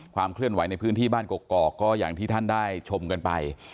เคลื่อนไหวในพื้นที่บ้านกกอกก็อย่างที่ท่านได้ชมกันไป